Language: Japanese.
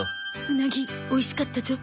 うなぎおいしかったゾ。